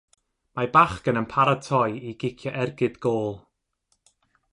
Mae bachgen yn paratoi i gicio ergyd gôl.